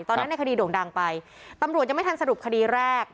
ในคดีโด่งดังไปตำรวจยังไม่ทันสรุปคดีแรก